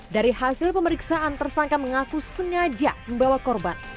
dari hasil pemeriksaan tersangka mengaku sengaja membawa korban